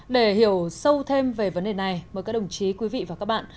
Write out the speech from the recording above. để hiểu sâu thêm về vấn đề này mời các đồng chí quý vị và các bạn